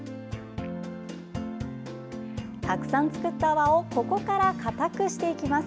たくさん作った泡をここからかたくしていきます。